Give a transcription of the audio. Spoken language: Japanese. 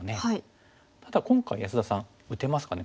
ただ今回安田さん打てますかね